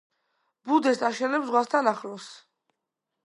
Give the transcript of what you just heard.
ბუდეს აშენებს ზღვასთან ახლოს.